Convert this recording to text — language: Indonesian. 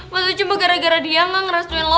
maksudnya cuma gara gara dia ga ngerestuin lo